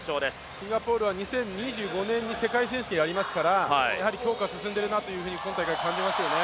シンガポールは２０２５年に世界選手権をやりますから、やはり強化が進んでいるなと今大会、感じますよね。